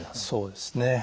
そうですね。